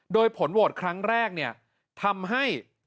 โดยผลโหวตครั้งแรกเนี่ยทำให้